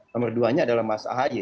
nomor duanya adalah mas ahaye